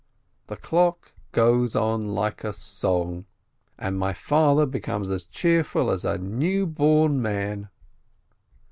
The clock goes on like a song, and my father becomes as cheerful as a newborn man.